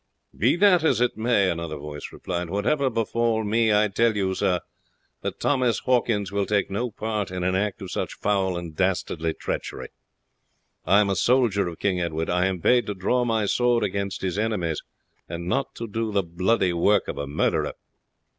"Be that as it may," another voice replied; "whatever befall me, I tell you, sir, that Thomas Hawkins will take no part in an act of such foul and dastardly treachery. I am a soldier of King Edward. I am paid to draw my sword against his enemies, and not to do the bloody work of a murderer."